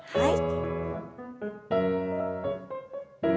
はい。